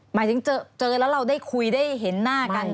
หมายถึงเจอแล้วเราได้คุยได้เห็นหน้ากัน